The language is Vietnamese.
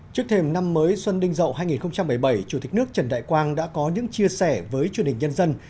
trước thềm năm mới xuân đinh dậu hai nghìn một mươi bảy chủ tịch nước trần đại quang đã có những chia sẻ với truyền hình nhân dân